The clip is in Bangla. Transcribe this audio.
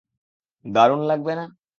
দারুণ লাগবে না?